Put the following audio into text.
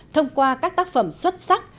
thông qua các tác phẩm xuất sắc